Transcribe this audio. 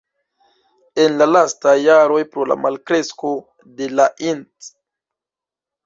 En la lastaj jaroj pro la malkresko de la int.